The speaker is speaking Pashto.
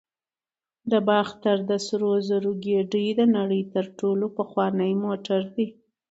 د باختر د سرو زرو ګېډۍ د نړۍ تر ټولو پخوانی موټر دی